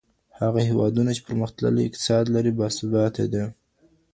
هغه هيوادونه چي پرمختللی اقتصاد لري باثباته دي.